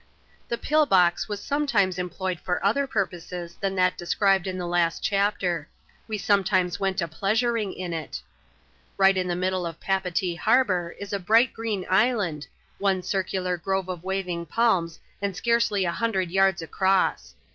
^N ;¥ Thc Pill Box was sometimes employed for other purposes thin that described in the last chapter. AVe sometimes went &*pleasuring in it. Right in the middle of Papectec harbour is a bright green island, one circular grove of waving palms, and scarcely a lumdred yards across.